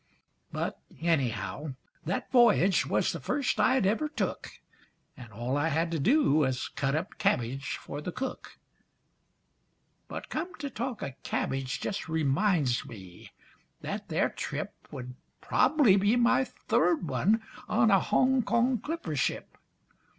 But anyhow, that voyage was the first I'd ever took, An' all I had to do was cut up cabbage for the cook; But come to talk o' cabbage just reminds me, that there trip Would prob'ly be my third one, on a Hong Kong clipper ship.